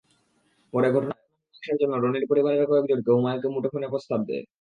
পরে ঘটনা মীমাংসার জন্য রনির পরিবারের কয়েকজন হুমায়ুনকে মুঠোফোনে প্রস্তাব দেয়।